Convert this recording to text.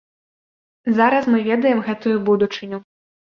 Зараз мы ведаем гэтую будучыню.